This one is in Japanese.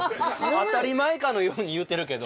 当たり前かのように言うてるけど。